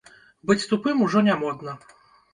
Быць тупым ужо не модна.